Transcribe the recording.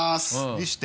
見して。